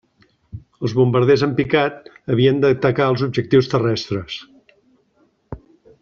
Els bombarders en picat havien d'atacar els objectius terrestres.